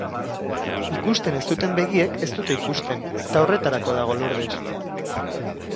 Ikusten ez duten begiek ez dute ikusten, eta horretarako dago Lourdes.